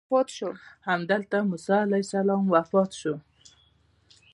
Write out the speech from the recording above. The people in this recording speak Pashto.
همدلته موسی علیه السلام وفات شو.